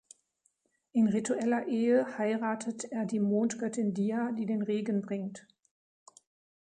In ritueller Ehe heiratet er die Mondgöttin Dia, die den Regen bringt.